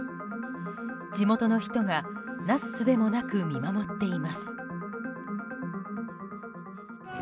地元の人がなすすべもなく見守っています。